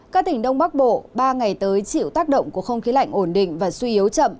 các tỉnh đông bắc bộ ba ngày tới chịu tác động của không khí lạnh ổn định và suy yếu chậm